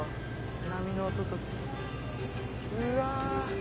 波の音とうわ。